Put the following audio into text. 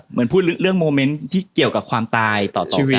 เหมือนพูดเรื่องโมเมนต์ที่เกี่ยวกับความตายต่อกัน